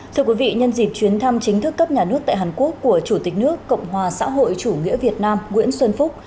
thưa quý vị nhân dịp chuyến thăm chính thức cấp nhà nước tại hàn quốc của chủ tịch nước cộng hòa xã hội chủ nghĩa việt nam nguyễn xuân phúc